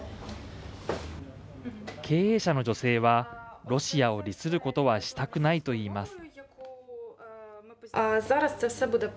経営者の女性はロシアを利することはしたくないといいます。